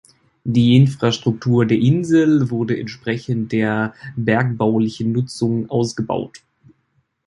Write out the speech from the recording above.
Die Infrastruktur der Insel wurde entsprechend der bergbaulichen Nutzung ausgebaut.